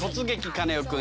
カネオくん」。